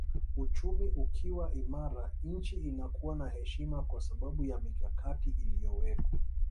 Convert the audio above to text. Uchumi ukiwa imara nchi inakuwa na heshima kwa sababu ya mikakati iliyowekwa